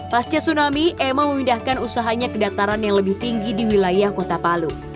pasca tsunami emma memindahkan usahanya ke dataran yang lebih tinggi di wilayah kota palu